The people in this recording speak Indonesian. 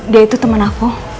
dia itu temen aku